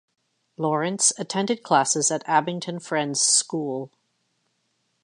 Lawrence attended classes at Abington Friends School.